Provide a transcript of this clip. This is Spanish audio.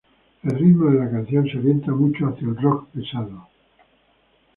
El ritmo de la canción se orienta mucho hacia el rock pesado.